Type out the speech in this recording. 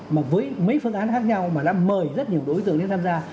mà với mấy phương án khác nhau mà đã mời rất nhiều đối tượng đến tham gia